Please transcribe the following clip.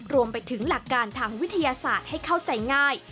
รวมไปถึงหลักการทางวิทยาศาสตร์ให้เข้าใจง่าย